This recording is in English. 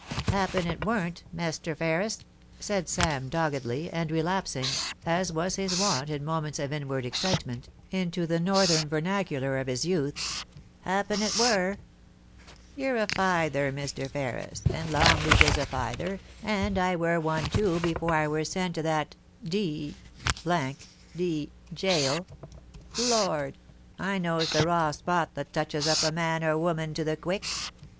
2i8 POLICY AND PASSION. * Happen it weren't, Mester Ferris,' said Sam doggedly, and relapsing, as was his wont in moments of inward excite ment, into the northern vernacular of his youth —* happen it wur. You're a feyther, Mr. Ferris, and Longleat is a feyther, and I wur one too afore I wur sent to that d d gaol. Lord ! I knows the raw spot that touches up man or woman to the quick.